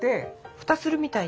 蓋するみたいに？